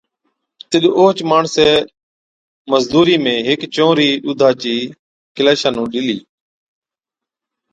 تِڏ اوهچ ماڻسَي مزُورِي ۾ هيڪ چونئرِي ڏُوڌا چِي ڪيلاشا نُون ڏِلِي